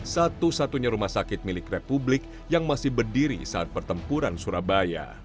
satu satunya rumah sakit milik republik yang masih berdiri saat pertempuran surabaya